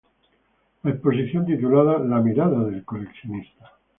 La exposición titulada "La Mirada del Coleccionista.